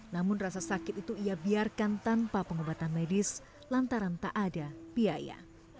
namun rasa sakit itu ia biarkan tanpa pengobatan medis lantaran tak ada biaya